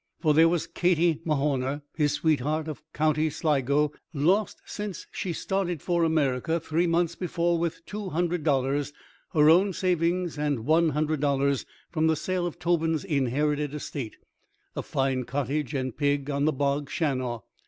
For there was Katie Mahorner, his sweetheart, of County Sligo, lost since she started for America three months before with two hundred dollars, her own savings, and one hundred dollars from the sale of Tobin's inherited estate, a fine cottage and pig on the Bog Shannaugh.